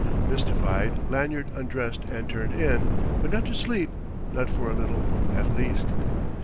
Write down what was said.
Mystified, Lanyard undressed and turned in, but not to sleep not for a little, at least.